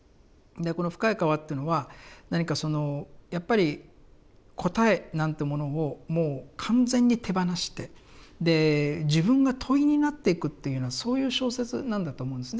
この「深い河」というのは何かそのやっぱり答えなんてものをもう完全に手放してで自分が問いになっていくというようなそういう小説なんだと思うんです。